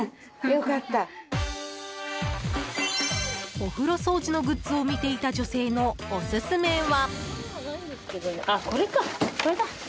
お風呂掃除のグッズを見ていた女性のオススメは。